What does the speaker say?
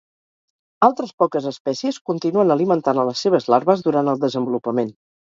Altres poques espècies continuen alimentant a les seves larves durant el desenvolupament.